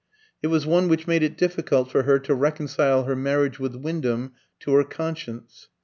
It was one which made it difficult for her to reconcile her marriage with Wyndham to her conscience.